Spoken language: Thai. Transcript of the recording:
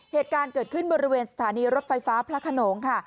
เหตุการณ์เกิดขึ้นบริเวณสถานีรถไฟฟ้าพระขนงค่ะ